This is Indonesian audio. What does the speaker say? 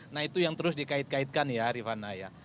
nah itu yang terus dikait kaitkan ya rifana ya